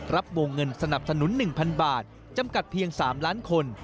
วงเงินสนับสนุน๑๐๐๐บาทจำกัดเพียง๓ล้านคน